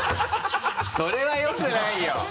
それはよくないよ！